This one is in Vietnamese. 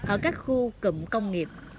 ở các khu cụm công nghiệp